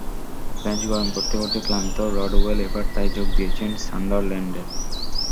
Bench গরম করতে করতে ক্লান্ত রডওয়েল এবার তাই যোগ দিয়েছেন সান্ডারল্যান্ডে।